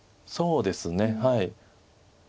そうですねはい。